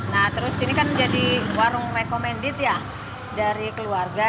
nah terus ini kan jadi warung recommended ya dari keluarga